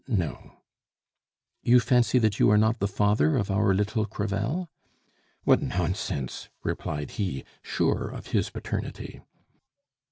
"No." "You fancy that you are not the father of our little Crevel?" "What nonsense!" replied he, sure of his paternity.